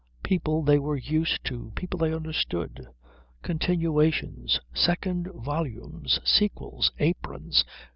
People they were used to. People they understood. Continuations. Second volumes. Sequels. Aprons.